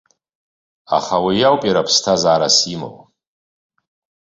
Аха уи ауп иара ԥсҭазаарас имоу.